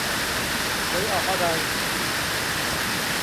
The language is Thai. หวยออกอะไร